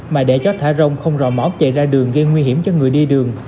mà đẻ chó thả rong không rò mỏm chạy ra đường gây nguy hiểm cho người đi đường